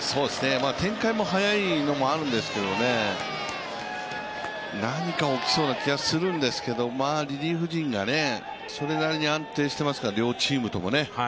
展開も早いのもあるんですけどね何か起きそうな気がするんですけど、リリーフ陣がそれなりに安定していますから、両チームとも。